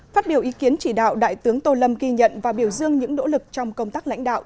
phát biểu ý kiến chỉ đạo đại tướng tô lâm ghi nhận và biểu dương những nỗ lực trong công tác lãnh đạo